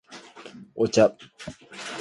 お茶